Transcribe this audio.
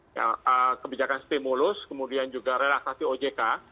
ya kebijakan stimulus kemudian juga relaksasi ojk